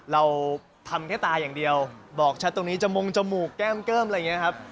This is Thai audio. เราทำแค่ตาอย่างเดียวบอกชัดตรงนี้จมูงจมูกแก้มเกิ้มอะไรอย่างนี้ครับ